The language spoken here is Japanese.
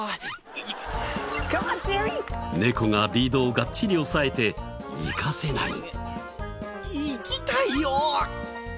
猫がリードをがっちり押さえて行かせない。